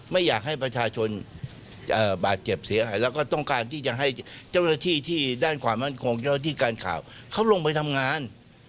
ไม่อยากให้ประชาชนบาดเจ็บเสียหายแล้วก็ต้องการที่จะให้เจ้าหน้าที่ที่ด้านความมั่นคงเจ้าที่การข่าวเขาลงไปทำงาน